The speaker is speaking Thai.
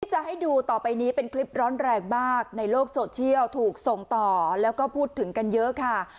จะให้ดูต่อไปนี้เป็นคลิปร้อนแรงมากในโลกโซเชียลถูกส่งต่อแล้วก็พูดถึงกันเยอะค่ะ